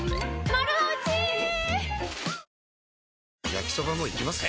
焼きソバもいきます？